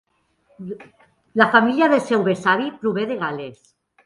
La família del seu besavi prové de Gales.